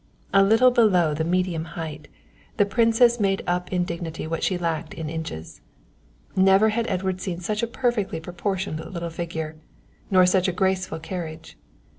A little below the medium height, the Princess made up in dignity what she lacked in inches. Never had Edward seen such a perfectly proportioned little figure, nor such a graceful carriage.